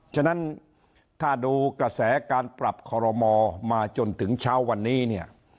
ฉะนั้นถ้าดูกระแสการปรับคอรมอมาจนถึงเช้าวันนี้เนี่ย